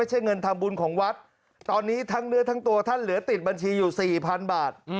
เงินทำบุญของวัดตอนนี้ทั้งเนื้อทั้งตัวท่านเหลือติดบัญชีอยู่สี่พันบาท